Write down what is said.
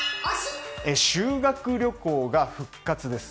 修学旅行が復活です。